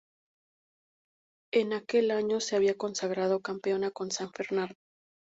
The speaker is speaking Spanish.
En aquel año, se había consagrado campeona con San Fernando.